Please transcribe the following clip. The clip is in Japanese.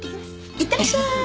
いってらっしゃい。